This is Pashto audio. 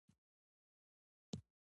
افغانستان له سلیمان غر څخه ډک دی.